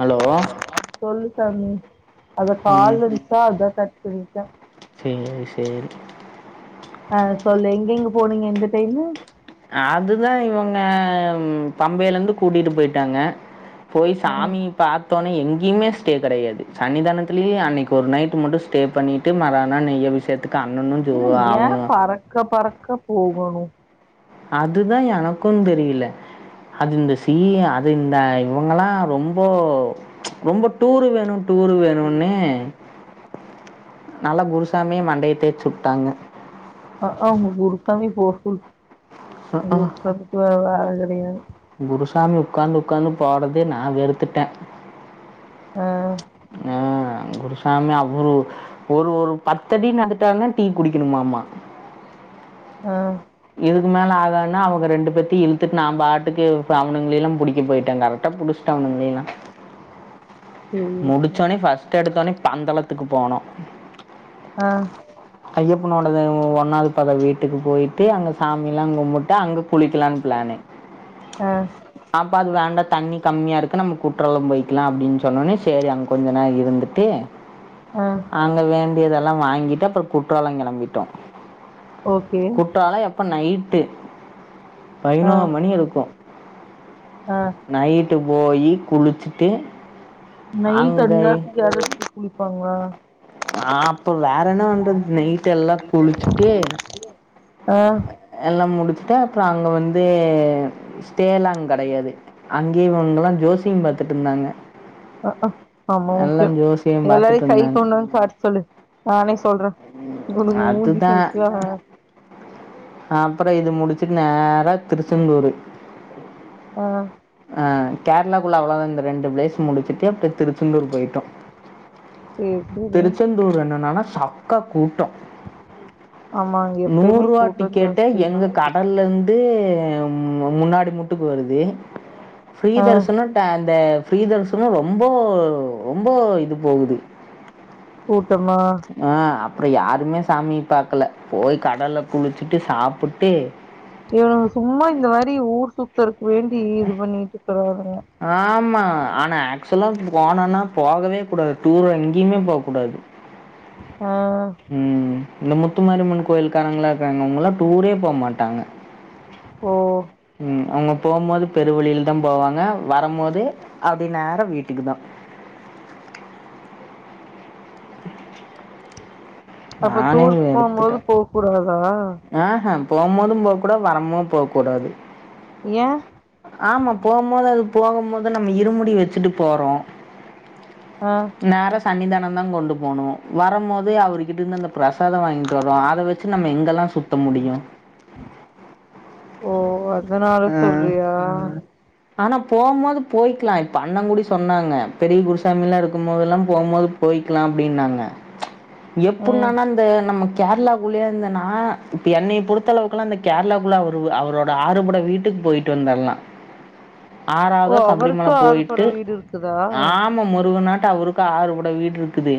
Hello சொல்லு சாமி அத கால் ம் வந்துச்சா அதா கட் பண்ணிட்டே சேரி சேரி ஆ சொல்லு எங்கெங்க போனீங்க இந்த டைமு அதுதா இவங்க பம்பைலேந்து கூட்டிட்டு போயிட்டாங்க போய் ம் சாமி பாத்தோனே எங்கேயுமே ஸ்டே கெடையாது சன்னிதானத்லயே அன்னைக்கு ஒரு நைட் மட்டு ஸ்டே பண்ணிட்டு மறா நாள் நெய் அபிஷேகத்துக்கு அண்ணனு ஜோ ம் ஏ அவனு பறக்க பறக்க போகணு அதுதா எனக்குந் தெரியல அது இந்த சி அது இந்த இவுங்கலா ரொம்போ ரொம்ப டூரு வேணு டூரு வேணுனு நல்லா குருசாமிய மண்டைய தேச்சு உட்டாங்க அஆ உங்க குருசாமி போக சொல்லு உன் குரு சாமிக்கு வேற வேள கெடையாது குருசாமி உக்காந்து உக்காந்து போறதே நா வெறுத்துட்டே ஆ ஆ குருசாமி அவரு ஒரு ஒரு பத்த அடி நடந்துட்டாருனா டீ குடிக்கணுமாமா ஆ இதுக்கு மேல ஆகாதுனா அவங்க ரெண்டு பேத்தையு இழுத்துட்டு நா பாட்டுக்கு இப்ப அவனுங்ளேலா புடிக்க போயிட்டே கரக்டா புடிச்சிட்டே அவனுங்களயு சேரி ஃபர்ஸ்ட் எடுத்தோனே சேர் பந்தளத்துக்கு போனோம். ஆ ஐயப்பனோடது பட வீட்டுக்கு போயிட்டு, அங்க சாமிலாம் கும்பிட்டு, அங்க குளிக்கலான்னு பிளானு. ஆ அப்ப அது வேண்டா தண்ணி கம்மியா இருக்கு நம்ம குற்றாலம் போய்கலா அப்டின்னு சொன்ன னே சேரி அங்க கொஞ்ச நேர இருந்துட்டு ஆ அங்க வேண்டியதெல்லா வாங்கிட்டு அப்ற குற்றாலம் கெளம்பிட்டோ ஓகே அப்ப நைட்டு ஆ பதினோரு மணி இருக்கு ஆ நைட்டு போயி குளிச்சிட்டு நைட்டு அந்த நேரத்துக்கு யாரச்சு போய் குளிப்பாங்களா ஆ அப்ப வேற என்ன பண்றது நைட்டு் எல்லா குளிச்சுட்டு ஆ எல்லாம் முடிச்சுட்டு அப்ற அங்க வந்து ஸ்டேயல்லா அங்க கெடையாது அங்கே இவுங்களா ஜோசியம் பாத்துட்டு இருந்தாங்க அஹ ரொம்ப முக்கியோ எல்லாம் ஜோசியம் எல்லாரையு பார்த்துட்டு கை இருந்தாங்க கொண்டு வந்து காட்ட சொல்லு நானே சொல்றே இவனுங்க மூஞ்சிக்கு அதுதான் [unintelligible] அப்பற இது முடிச்சிட் நேரா திருச்சந்தூரு ஆ ஆ கேரளாக்குள்ள அவ்ளதா இந்த ரெண்டு பிளேஸ் முடிச்சிட்டு அப்றோ திருச்செந்தூர் போய்ட்டோ சேரி சேரி திருச்செந்தூர் என்னன்னானா சக்கா கூட்டோ ஆமா அங்க எப்பயுமே நூருவா கூட்டோ டிக்கெட்டே ஜாஸ்திதா எங்க கட லந்து முன்னாடி முட்டு வருது ஃப்ரீ ஆ தர்சனோ அந்த ஃப்ரீதர்ஸனோ ரொம்ப ரொம்ப இது போகுது கூட்டமா ஆ அப்ற யாருமே சாமி பாக்கல போய் கடல்ல குளிச்சிட்டு சாப்புட்டு இவனுங்க சும்மா இந்த மாரி ஊர் சுத்துறக்கு வேண்டி இது பண்ணிட்ருக்குறானுங்க ஆமா ஆனா ஆக்சுலா போனனா போகவே கூடாது டூர் எங்கியுமே போ கூடாது உ ஆ ம் இந்த முத்துமாரியம்மன் கோயில் காரங்களா இருக்கராங்க அவுங்களா டூரே போ மாட்டாங்க ஓ ம் அவுங்க போம்போது பெருவழில தா போவாங்க வரம் போதே அப்டி நேரா வீட்டுக்கு தா அப்ப நானே டூர் போ போது போ கூடாதா ஆஹ போ போது போ கூடாத் வரமோ போ கூடாது ஏ ஆமா போம்போது அது போக போது நம்ம இருமுடி வெச்சிட்டு போறோ ஆ நேரா சன்னிதான தா கொண்டு போனு வர போதே அவர்கிட்டந்து அந்த பிரசாத வாய்ன்ட்டு வரோ அத வச்சி நம்ம எங்கெல்லா சுத்த முடியு ஓ அதனால சொல்றியா அனா போ போது போய்க்லா இப்ப அண்ணங்கூடி சொன்னாங்க பெரிய குருசாமிலா இருக்கு போதெல்லா போ போது போய்க்லா அப்டின்னாங்க ம் எப்புட்ன்னானா தே நம்ம கேரளாக்குள்ளயே இருந்தனா இப்ப என்னைய பொறுத்தளவுக்குல்லா இந்த கேரளாக்குள்ள அவரு அவரோட ஆறுபட வீட் டுக் போய்டு வந்தர்லா ஓ ஆறாவதா சபரிமல அவருக்கு ஆறு போயிட்டு படை வீடு இருக்குதா ஆ ம்ம முருக நாட்ட அவருக்கு ஆறு பட வீடுருக்குது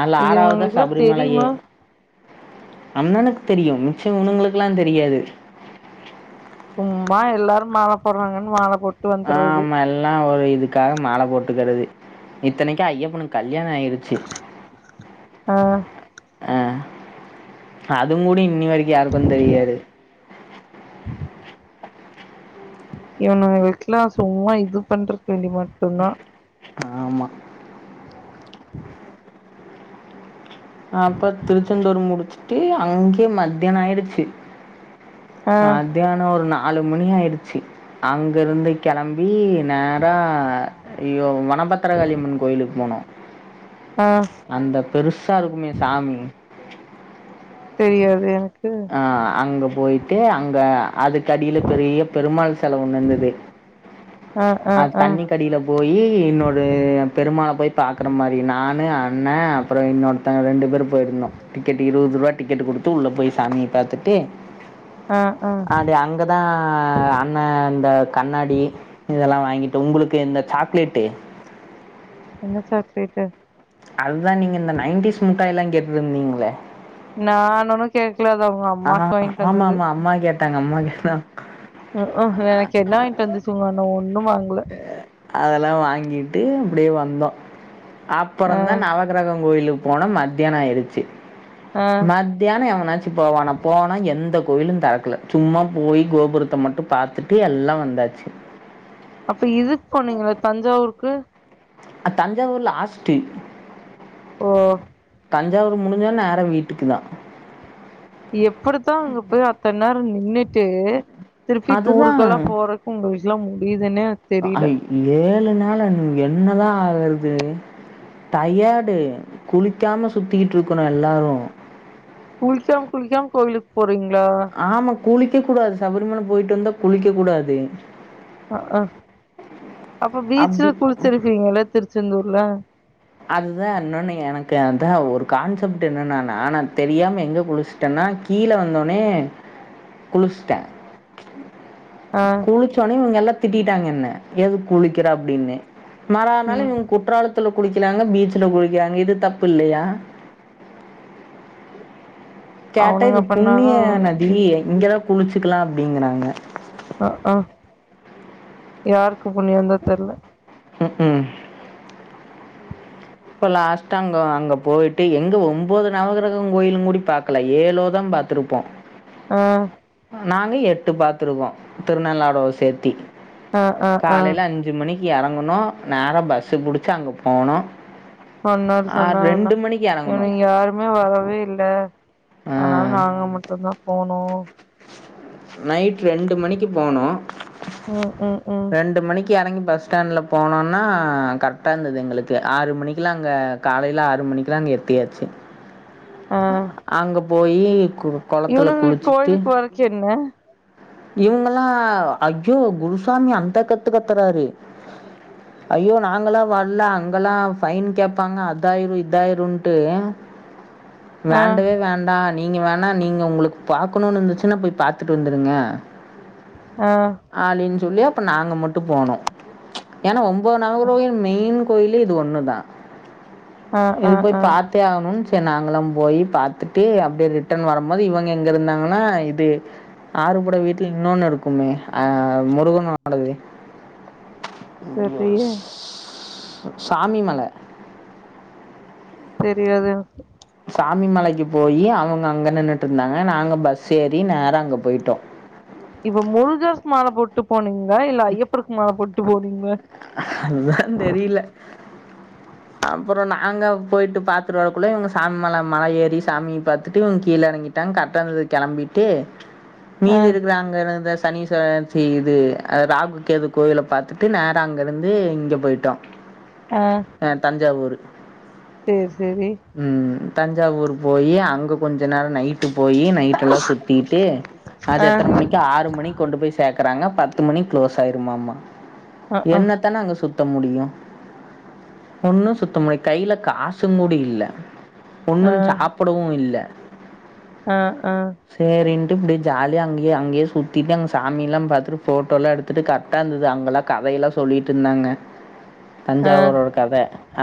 அல இது ஆறாவதா இவங்களுக்குல்லாம் சபரிமலயே தெரியுமா அண்ணனுக்கு தெரியு மிச்ச இவுணுங்களுக்கெல்லா தெரியாது சும்மா எல்லாரு மால போறாங்கன்னு மால போட் ஆமா எல்லா ஒரு இதுக்காக மால போட்டுக்கறது இத்தனைக்கி ஐயப்பனுக் கல்யாண ஆயிருச் சி ஆ ஆ அது முடி இன்னி வரிக்கு யாருக்கு தெரியாது இவனுங்களுங்க்லா சும்மா இது பண்றக்கு வேண்டி மட்டு தா ஆமா அப்ப திருச்செந்தூர் முடுச்சுட்டு அங்கேயே மத்யானோ ஆய்ருச்சி ஆ மத்யானோ ஒரு நாலு மணி ஆயிடுச்சி அங்கருந்து கெளம்பி நேரா ஐயோ வனபத்தர காளியம்மன் கோயிலுக்கு போனோ ஆ அந்த பெருசாருக்குமே சாமி தெரியாது எனக் அ அங்க போய்ட்டு அங்க அதுக்கடில பெரிய பெருமாள் செல ஒண்ணிந்தது அ அ அ போயி இன்னோரு பெருமாள போய் பாக்குற மாரி நானு அண்ணே அப்றோ இன்னொரு தங்க ரெண்டு பேரு போயிருந்தோ டிக்கெட் இருவது ரூபா டிக்கெட்டு குடுத்து உள்ள போய் சாமிய பாத்துட்டே ஆ ஆ அப்டியே அங்க கதா அண்ணே அந்த கண்ணாடி இதெல்லா வாங்கிட்டு உங்குளுக்கு இந்த சாக்லேட்டு என்ன சாக்லேட்டு அதுதா நீங்க இந்த நைன்டிஸ் முட்டாய்லா கேட்டுட்ருந்தீங்ளே நான் ஒன்னு கேக்கல அது அவுங்க அஹ ஆமா ஆமா அம்மா கேட்டாங்க அம்மா கேட்டா உஉ எனக்கு என்ன வாங்கிட்ட வந்த சொன்ன ஒண்ணு வாங்கல அதெல்லா வாங்கிட்டு அப்டியே வந்தோ ஆ அப்புறந்தா நவகிரக கோயிலுக்கு போனோ மத்தியான ஆயிருச்சி ஆ மத் தியான எவனாச்சும் போவானா போனா எந்த கோயிலு தொறக்கல சும்மா போய் கோபுரத்த மட்டும் பாத்துட்டு எல்லா வந்தாச்சி அப்ப இதுக்கு போனீங்களா தஞ்சாவூர் க்கு அ தஞ்சாவூர் லாஸ்ட்டு ஓ தஞ்சாவூர் முடிஞ்சா நேர வீட்டுக்குதா எப்படித்தா அங்க போய் அத்த நேர நின்னுட்டு திருப்பி டூருக்கெல்லா அதுதா போற உங்களுக்குலா முடியுதுன்னே அ தெரில ஏழு நாளு என்னதா ஆகர்து டையர்டு குளிக்காம சுத்திக்கிட்டு இருக்குறோ எல்லாரு குளிக்காம் குளிக்காம் கோவிலுக்கு போறிங் ஆம்மா குளிக்க கூடாது சபரிமல போயிட்டு வந்தா குளிக்க கூடாது அஅ அப்ப பீச்ல அப்படி குளிச்சிருப்பீங்கல்ல திருச்செந்தூர்ல அதுதா இன்னொன்னு எனக்கு அதா ஒரு கான்செப்ட்டு என்னன்னா நா தெரியாம எங்க குளிஸ் ட்டேனா கீழ வந்தோனே குளிஸ்ட்டே ஆ குளிச்சோன்னே இவுங்க எல்லா திட்டிட்டாங்க என்ன எதுக் குளிக்கிற அப்டின்னு மறா நாளு ம் இவுங்க குற்றாலத்துல குளிக்கிறாங்க பீச்சுல குளிக்கிறாங்க இது தப்பு இல்லையா கேட்டா அவனுங்க இது பண்ணாதா புண்ணிய நதி அவனுங்களுக்கு இது இங்களா குளிச்சுக்கலா அப்டிங்கிறாங்க அஅ யாருக்கு புண்ணிந்தா தெர்ல உஉ இப்ப லாஸ்ட்டா அங்க அங்க போயிட்டு எங்க ஒம்போது நவ கிரகம் கோயிலும் கூடி பாக் கல ஏலோதா பாத்துருப்போ அ நாங்க எட்டு பாத்துருக்கோ திருநள்ளாறோ சேர்த்தி ஆ ஆ ஆ காலைல அஞ் சு மணிக்கு எறங்குனோ நேரா பஸ்சு புடிச்சி அங்க போனோ சொன்னாரு ஆ சொன்னாரு உன்ன ரெண்டு மணிக்கு எறங்குனோ இனி யாரு இன்னு வரவே இல்ல ஆ அதுனால நாங்க மட்டுந்தா போனோ நைட் ரெண்டு மணிக்கு போனோ ம் ம் ம் ரெண்டு மணிக்கி எறங்கி பஸ் ஸ்டாண்ட்ல போனோன்னா கர்க்ட்டா இருந்துது எங்களுக்கு ஆறு மணிக்கெல்லா அங்க காலைல ஆறு மணிக்குலா அங்க எற்டியாச்சி ஆ அங்க போயி கொ கொளத்துல குளிச்சுட்டு சேரிங்க இவுங்கல்லா ஐய்யோ குருசாமி அந்த கத்து கத்துறாரு ஐயோ நாங்களா வர்ல அங்கெலா ஃபைன் கேப்பாங்க அதாயிரு இதாயிருன்ட்டு ஆ வேண்டவே வேண்டா நீங்க வேணா நீங்க உங்ளுக்கு பாக்கணுனு இருந்துச்சுன்னா போய் பாத்துட்டு வந்துருங்க ஆ ஆலின்னு சொல்லி அப்ப நாங்க மட்டு போனோ ஏன்னா ஒன்போது நவ [unintelligible] மெயின் கோயிலே இது ஒண்ணுதா ஆ இது ஆ போய் ஆ பாத்தே ஆவணு சேரி நாங்களா போயி பாத்துட்டு அப்டியே ரிட்டர்ன் வரம்போது இவங்க எங்க இருந்தாங்கன்னா இது ஆறுபட வீட்ல இன்னொன்னு இருக்குமே அ முருகனோடது சரியே சாமி மல தெரியாதுங்க சாமி மலைக்கி போயி அவுங்க அங்க நின்னுட்ருந்தாங்க நாங்க பஸ் ஏறி நேரா அங்க போயிட்டோ இப்ப முருகர்க்கு மால போட்டு போனீங்ளா இல்ல ஐயப்பர்க்கு மால போட்டு போனீங்ளா அதுதா தெரில அப்புறோ நாங்க போயிட்டு பாத்துட்டு வரக்குள்ள இவுங்க சாமி மல மல ஏறி சாமிய பாத்துட்டு இவுங்க கீழ எறங்கி ட்டாங் கரக்ட்டாருந்துது கெளம்பிட்டு ஆ மீதி இருக்கிற அங்கனருந்த சனீஸ்வரர் இது ராகு கேது கோயில பாத்து ட்டு நேரா அங்க இருந்து இங்க போய்ட்டோ ஆ ஆ தஞ்சாவூரு சேர் செரி ம் தஞ்சாவூரு போயி அங்க கொஞ்ச நேரோ நைட் டு போயி நைட்டெல்லா சுத்திட்டு அது ஆ எத்தன மணிக் கு ஆறு மணிக்கு கொண்டு போய் சேக்கறாங்க பத்து மணிக்கு க்ளோஸ் ஆயிருமாமா ஆ ஆ என்னத்த நாங்க சுத்த முடியு ஒன்னு சுத்த முடில கைல காசுங் கூட இல்ல ஆ ஒண்ணுஞ் சாப்புடவு இல்ல ஆ ஆ சேரின்ட்டு இப்டி ஜாலியா அங்கயே அங்கயே சுத்திட்டு அங்க சாமிலா பாத்துட்டு ஃபோட்டோலா எடுத்துட்டு கர்ட்டா இருந்துது அங்கலா கதைலா சொல்லிட்ருந்தாங்க ஆ தஞ்சாவூரோட கத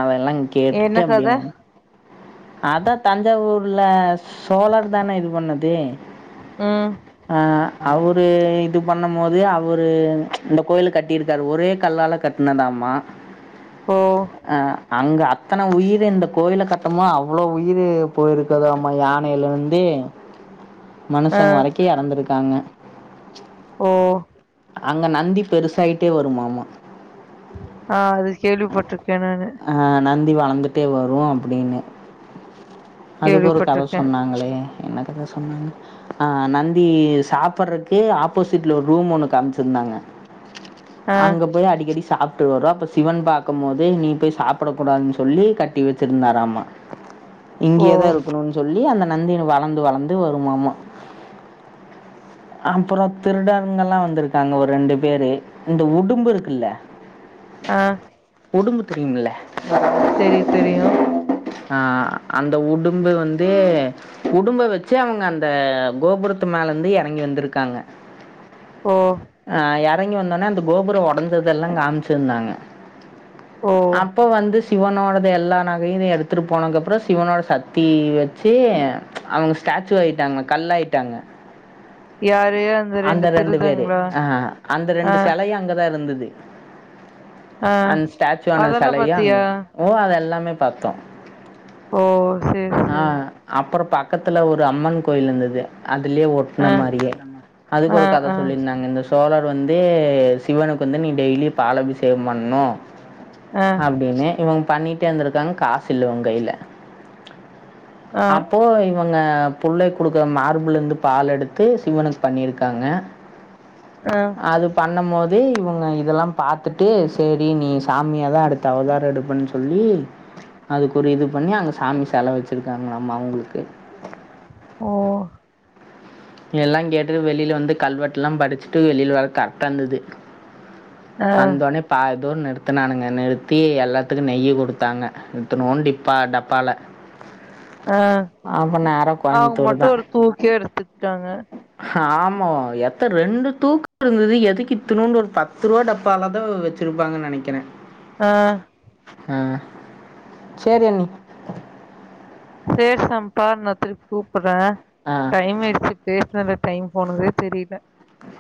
அதெல்லா என்ன கேட்டுட்டு கத அப்டியே அதா தஞ்சாவூர்ல சோழர் தான இது பண்ணது ம் அ அவரு இது பண்ணம்போது அவரு இந்த கோயிலு கட் டிருக்காரு ஒரே கல்லால கட்னதாமா ஓ அ அங்க அத்தன உயிரு இந்த கோயில கட்டமோ அவ்ளோ உயிரு போயிருக் குதாம்மா யானைலருந்து ஆ மனுஷங்க வரைக்கு எறந்திருக்காங்க ஓ அங்க நந்தி பெருசாய்ட்டே வருமாமா ஆ அது கேள்விப்பட்ருக்கே நானு ஆ நந்தி வளந்துட்டே வரு அப்டின்னு அதுக்கொரு கத கேள்விப்பட்டிருக்கே சொன்னாங்ளே என்ன கத சொன்னாங் ஆ நந்தி சாப்பறக்கு ஆப்போசிட்ல ஒரு ரூம் ஒன்னு காம்சிர்ந்தாங்க ஆ அங்க போய் அடிக்கடி சாப் ட்டு வரோ அப்போ சிவன் பாக்கம் போது நீ போய் சாப்ட கூடாதுன் சொல்லி கட்டி வெச்சிர்ந்தாராமா ஓ இங்கயேதா இருக்குணுன் சொல்லி அந்த நந்தினு வளந்து வளந்து வருமாமா அப்புறோ திருடன்ங்கள்லா வந்திருக்காங்க ஒரு ரெண்டு பேரு இந்த உடும்பு இருக்குல்ல ஆ உடும்பு தெரியும்ல தெரியு தெரியு ஆ அந்த உடும்பு வந்து உடும்ப வச்சு அவுங்க அந் இந்த கோபுரத் மேலந்து எறங்கி வந்திருக்காங்க ஓ அ எறங்கி வந்தோன அந்த கோபுரோ ஒடஞ்சதெல்லா காம்சிர்ந்தாங்க ஓ இப்போ வந்து சிவனோடது எல்லா நகயிதயு எடுத்துட்டு போனக்கப்புறோ சிவனோட சக்தி வச்சு அவுங்க ஸ்டாச்சூ ஆய்ட்டாங்க கல்லாய்டாங்க அந்த ரெண்டு வேரு அ அந்த ஆ ரெண்டு செலயு அங்கதா இருந்துது ஆ அந்து ஸ்டாச்சுவான அதெல்லா செலையு அங்க பாத்தியா ஓ அத எல்லாமே பாத்தோ ஓ சேரி ஆ சேரி அப்பற ப பக்கத்துல ஒரு அம்மன் கோயில் இருந்தது அதுலே ஒ ட்ன ஆ மாரியே அதுக்கு ஆ ஒரு கத ஆ சொல்லிருந்தாங்க இந்த ஸ் சோழர் வந்து சிவனுக்கு வந்து நீ டெய்லி பால் அபிசேகோ பண்ணனு ஆ அப்டின்னு இவங்க பண்ணிட்டே இருந்திருக்காங்க காசு இல்ல இவங்கைல ஆ அப்போவு இவங்க புள்ளைக்குடுக்கற மார்புலருந்து பால் எடுத்து சிவனுக்கு பண்ணிருக்காங்க அ அது பண்ணும்மோதே இவங்க இதெல்லா பாத்துட்டு சேரி நீ சாமியாதா அடுத் தவதாரம் எடுப்பன்னு சொல்லி அதுக்கு ஒரு இது பண்ணி அங்க சாமி செல வெச்சிருக்காங்கலாமா அவுங்களுக்கு ஓ எல்லா கேட்டுட்டு வெளில வந்து கல்வெட்டெல்லா படிச்சுட்டு வெளில வர கரெட்டா இருந்தது ஆ வந்தோனே பா துன் நிறுத்துனானுங்க நிறுத்தி எல்லாத்துக்கு நெய்யி குடுத்தாங்க இத்தணோன்னு டிப்பா டப்பால அ நேராக அவுங்க கோயம்புத்தூர் மட்டும் ஒரு தூக்கே எடுத்துகிட்டாங்க ஹாமா எத்த ரெண்டு தூக்கு இருந்தது எதுக்கு இத்துனுன்டு ஒரு பத்து ரூவா டப்பாலதா வெச் சிருப்பாங்க நெனைக்கிறே ஆ அ சேரி அண்ணி சேரி சம்பா நா திருப்பி கூப்புறே ஆ டைம் ஆயிருச்சு பேசுனதுல டைம் போனதே தெரியல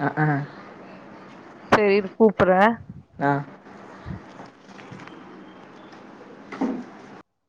அ அ செரி இரு கூப்புறே அ